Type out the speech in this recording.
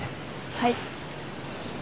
はい。